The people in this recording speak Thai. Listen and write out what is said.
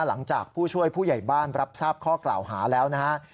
หลังจากผู้ช่วยผู้ใหญ่บ้านรับทราบข้อกล่าวหาแล้วนะฮะ